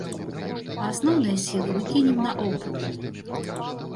А асноўныя сілы мы кінем на оўпэны.